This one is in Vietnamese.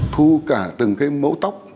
thu cả từng mẫu tóc